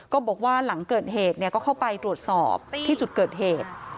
ก็บอกว่าหลังเกิดเหตุก็เข้าไปตรวจสอบที่จุดเกิดเหตุ